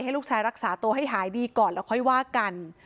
ลูกชายรักษาตัวให้หายดีก่อนแล้วค่อยว่ากัน